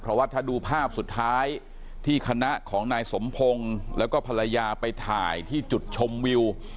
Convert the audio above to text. เพราะว่าถ้าดูภาพสุดท้ายที่คณะของนายสมพงศ์แล้วก็ภรรยาไปถ่ายที่จุดชมวิว